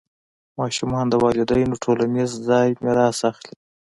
ماشومان د والدینو ټولنیز ځای میراث اخلي.